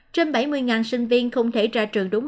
trên bảy mươi sinh viên không thể ra trường đúng